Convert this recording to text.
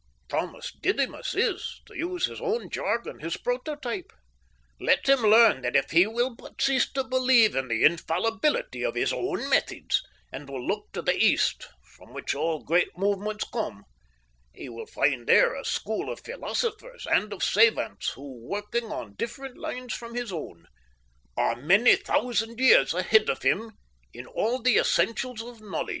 Thomas Didymus is, to use his own jargon, his prototype. Let him learn that if he will but cease to believe in the infallibility of his own methods, and will look to the East, from which all great movements come, he will find there a school of philosophers and of savants who, working on different lines from his own, are many thousand years ahead of him in all the essentials of knowledge.